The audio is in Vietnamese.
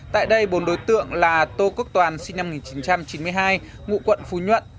tại đây bốn đối tượng là tô quốc toàn sinh năm một nghìn chín trăm chín mươi hai ngụ quận phú nhuận